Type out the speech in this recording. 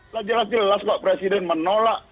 lah jelas jelas kok presiden menolak